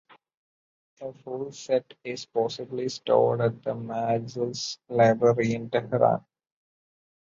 A full set is possibly stored at the Majles library in Tehran.